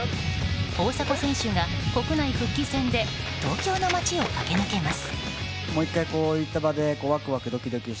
大迫選手が国内復帰戦で東京の街を駆け抜けます。